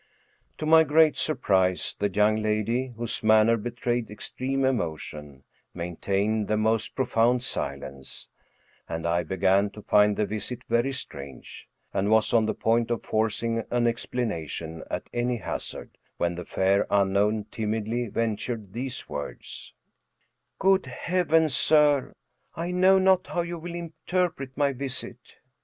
To my great surprise, the young lady, whose manner betrayed extreme emotion, maintained the most profound silence, and I began to find the visit very strange, and was on the point of forcing an explanation, at any hazard, when the fair unknown timidly ventured these words :" Good Heavens! sir, I know not how you will interpret my visit."